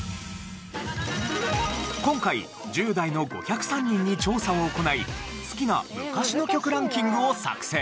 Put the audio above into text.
今回１０代の５０３人に調査を行い好きな昔の曲ランキングを作成。